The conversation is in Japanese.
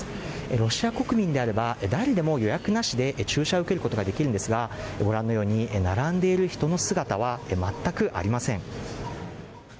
ロシア国民であれば誰でも予約なしで注射を受けることができるんですが並んでいる人の姿は全くありません。